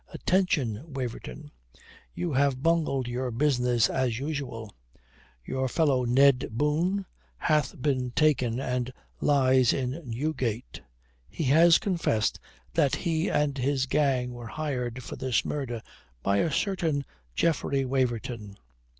"Attention, Waverton. You have bungled your business, as usual. Your fellow Ned Boon hath been taken and lies in Newgate. He has confessed that he and his gang were hired for this murder by a certain Geoffrey Waverton."